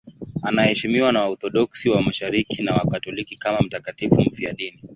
Anaheshimiwa na Waorthodoksi wa Mashariki na Wakatoliki kama mtakatifu mfiadini.